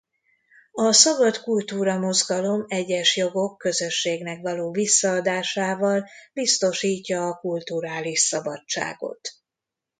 A szabad kultúra mozgalom egyes jogok közösségnek való visszaadásával biztosítja a kulturális szabadságot.